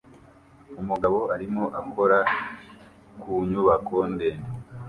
Umugabo arimo akora ku nyubako ndende